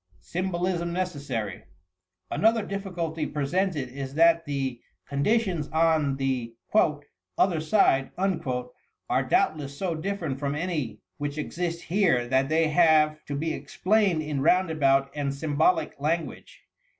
SYMBOLISM NECESSARY Another difficulty presented is that the conditions on the "other side" are doubtless so difTerent from any 254 TOUR PSYCHIC POWERS which exist here that they have to be explained in roundabout and symbolic language.